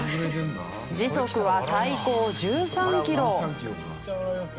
時速は最高１３キロ。